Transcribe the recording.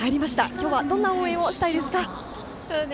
今日はどんな応援をしたいですか。